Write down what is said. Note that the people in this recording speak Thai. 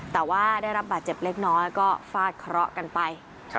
แต่ว่าได้รับบาดเจ็บเล็กน้อยก็ฟาดเคราะห์กันไป